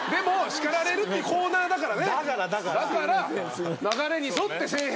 叱られるっていうコーナーだから。